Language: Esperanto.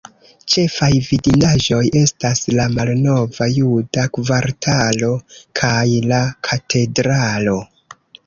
Ĉefaj vidindaĵoj estas la malnova juda kvartalo, kaj la Katedralo.